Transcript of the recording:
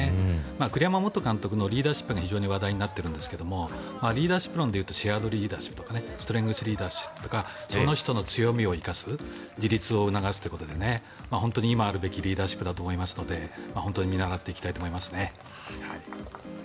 栗山元監督のリーダーシップが非常に話題になっているんですがリーダーシップでいうとシェアリングリーダーシップとかストレングスリーダーシップとかその人の強みを生かす自立を促すということで本当に今あるべきリーダーシップだと思いますので本当に見習っていきたいなと思いますね。